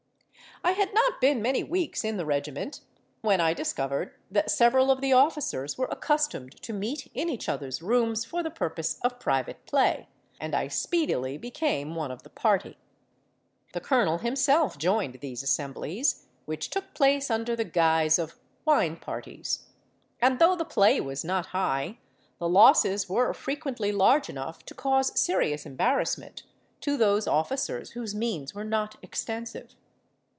"I had not been many weeks in the regiment when I discovered that several of the officers were accustomed to meet in each other's rooms for the purpose of private play; and I speedily became one of the party. The colonel himself joined these assemblies, which took place under the guise of 'wine parties;' and though the play was not high, the losses were frequently large enough to cause serious embarrassment to those officers whose means were not extensive.